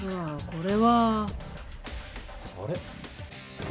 これ！